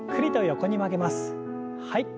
はい。